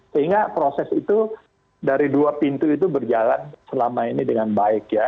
sehingga proses itu dari dua pintu itu berjalan selama ini dengan baik ya